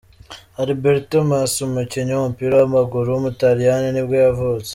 Alberto Massi, umukinnyi w’umupira w’amaguru w’umutaliyani nibwo yavutse.